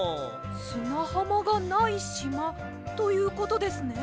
すなはまがないしまということですね？